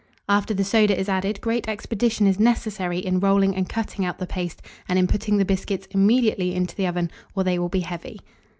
After the soda is added, great expedition is necessary in rolling and cutting out the paste, and in putting the biscuits immediately into the oven, or they will be heavy.